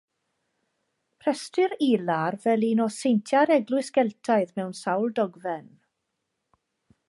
Rhestrir Ilar fel un o seintiau'r Eglwys Geltaidd mewn sawl dogfen.